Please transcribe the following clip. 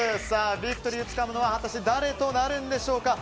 ビクトリーをつかむのは果たして誰となるでしょうか。